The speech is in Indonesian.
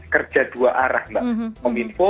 kerja dua arah mbak kominfo